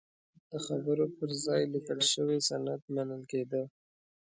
د خبرو پر ځای لیکل شوی سند منل کېده.